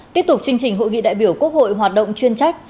tiếp tục chương trình hội nghị đại biểu quốc hội hoạt động chuyên trách